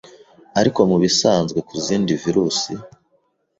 Ariko mu bisanzwe ku zindi virus